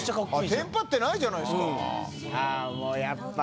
テンパってないじゃないですか。